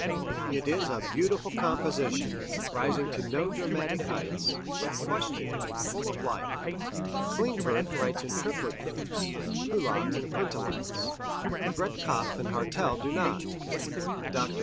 It is a beautiful composition, rising to no dramatic heights, but questioning and full of life. Klindworth writes in triplet groups, Kullak in quintolets. Breitkopf & Hartel do not. Dr.